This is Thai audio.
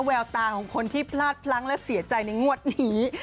แววตาของคนที่พลาดพลั้งและเสียใจในงวดนี้